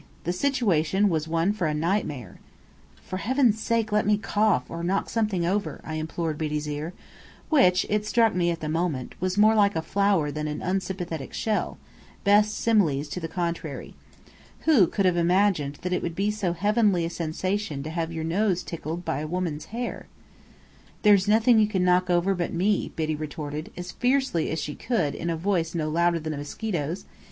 The situation was one for a nightmare. "For heaven's sake, let me cough, or knock something over!" I implored Biddy's ear, which (it struck me at the moment) was more like a flower than an unsympathetic shell, best similes to the contrary. Who could have imagined that it would be so heavenly a sensation to have your nose tickled by a woman's hair? "There's nothing you can knock over, but me," Biddy retorted, as fiercely as she could in a voice no louder than a mosquito's.